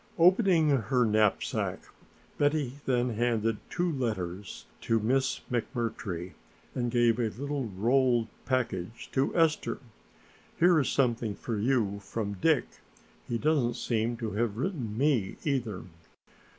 Opening her knapsack Betty then handed two letters to Miss McMurtry and gave a little rolled package to Esther. "Here is something for you from Dick; he doesn't seem to have written me either."